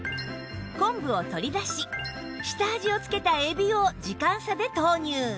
昆布を取り出し下味を付けたエビを時間差で投入